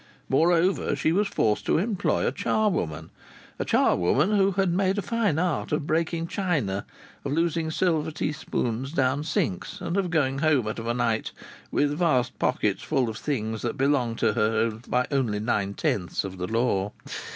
Moreover, she was forced to employ a charwoman a charwoman who had made a fine art of breaking china, of losing silver teaspoons down sinks, and of going home of a night with vast pockets full of things that belonged to her by only nine tenths of the law.